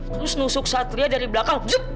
terus nusuk satria dari belakang